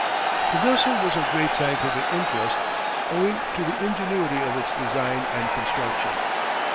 The vessel was of great scientific interest, owing to the ingenuity of its design and construction.